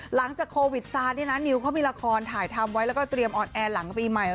หลังจากโควิดซานี่นะนิวเขามีละครถ่ายทำไว้แล้วก็เตรียมออนแอร์หลังปีใหม่